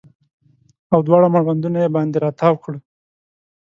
او دواړه مړوندونه یې باندې راتاو کړه